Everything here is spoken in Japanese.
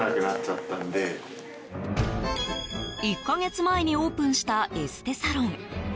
１か月前にオープンしたエステサロン。